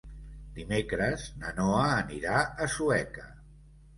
Dimecres na Noa anirà a Sueca.